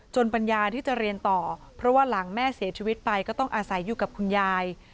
ปัญญาที่จะเรียนต่อเพราะว่าหลังแม่เสียชีวิตไปก็ต้องอาศัยอยู่กับคุณยาย